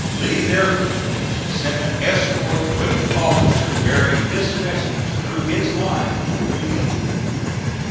Lee, therefore, sent an escort with the officer bearing this message through his lines to me.